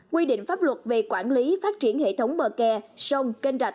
quy định pháp luật về quản lý phát triển hệ thống bờ kè sông kênh rạch